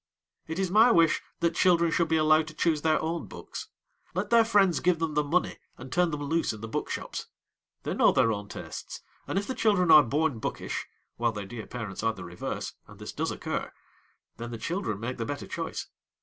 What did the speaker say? It is my wish that children should be allowed to choose their own books. Let their friends give them the money and turn them loose in the book shops! They know their own tastes, and if the children are born bookish, while their dear parents are the reverse, (and this does occur!), then the children make the better choice.